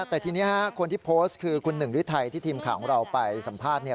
แต่ทีนี้คนที่โพสต์คือคุณหนึ่งฤทัยที่ทีมข่าวของเราไปสัมภาษณ์เนี่ย